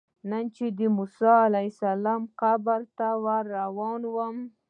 نن چې د موسی علیه السلام قبر ته روان یم.